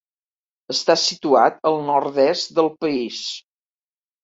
Està situat al nord-est del país.